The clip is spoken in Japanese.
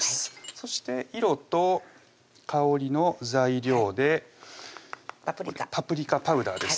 そして色と香りの材料でパプリカパプリカパウダーです